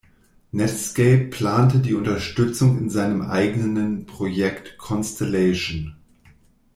Netscape plante die Unterstützung in seinem eigenen Projekt "Constellation".